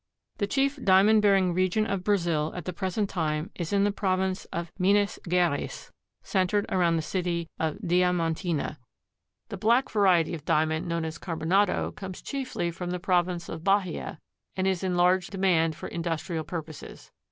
The chief Diamond bearing region of Brazil at the present time is in the province of Minas Geraes, centered about the city of Diamantina. The black variety of Diamond known as carbonado comes chiefly from the province of Bahia and is in large demand for industrial purposes.